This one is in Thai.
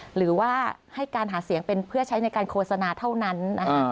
หรือว่าให้การหาเสียงเป็นเพื่อใช้ในการโฆษณาเท่านั้น